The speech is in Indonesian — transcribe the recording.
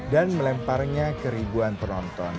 dan melemparnya ke ribuan penonton